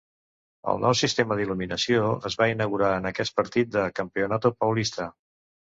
El nou sistema d'il·luminació es va inaugurar en aquest partit de Campeonato Paulista.